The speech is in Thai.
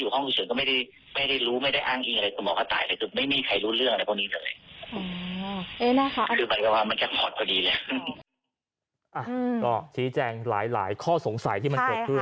ก็ชี้แจงหลายข้อสงสัยที่มันเกิดขึ้น